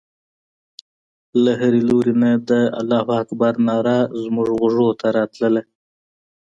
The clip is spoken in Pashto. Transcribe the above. د هرې لور نه د الله اکبر ناره زموږ غوږو ته راتلله.